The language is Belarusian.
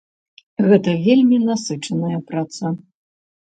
Гэта вельмі насычаная праца.